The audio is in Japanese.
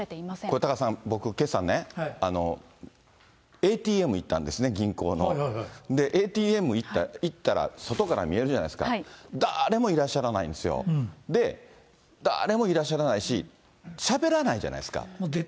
これタカさん、僕、けさね、ＡＴＭ行ったんですね、銀行の。ＡＴＭ行ったら、外から見えるじゃないですか、誰もいらっしゃらないんですよ、誰もいらっしゃらないし、しゃべらないじゃないですか。